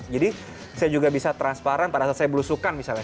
jadi saya juga bisa transparan pada saat saya belusukan misalnya